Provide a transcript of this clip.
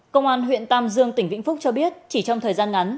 công an huyện tam dương tỉnh vĩnh phúc cho biết chỉ trong thời gian ngắn